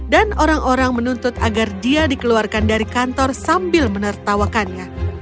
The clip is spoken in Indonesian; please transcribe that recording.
dan orang orang menuntut agar dia dikeluarkan dari kantor sambil menertawakannya